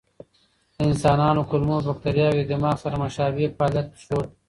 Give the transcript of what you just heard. د انسانانو کولمو بکتریاوې د دماغ سره مشابه فعالیت ښود.